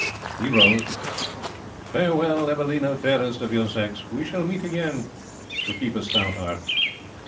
He rose. 'Farewell, Evelina, fairest of your sex. We shall meet again; so keep a stout heart.'